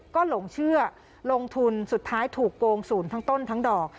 ก็หลงเชื่อลงทุนสุดท้ายถูกโกงศูนย์ทั้งต้นทั้งดอก